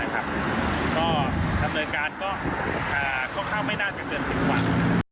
ก็ทำโดยการก็เข้าไม่นานกับเกิน๑๐วัน